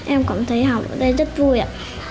em cảm thấy học ở đây rất vui ạ